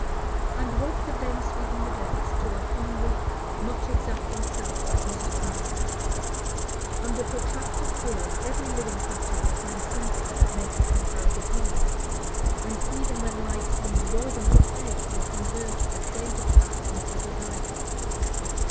And what could then sweeten the days to a hungry, much exacting self like Mrs. Transome's? Under protracted ill every living creature will find something that makes a comparative ease, and even when life seems woven of pain, will convert the fainter pang into a desire.